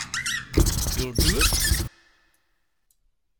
You'll do it?